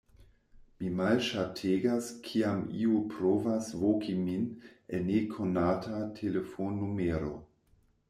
Mi malŝategas kiam iu provas voki min el nekonata telefonnumero.